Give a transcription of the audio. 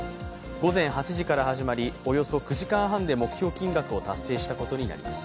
午前８時から始まり、およそ９時間半で目標金額を達成したことになります。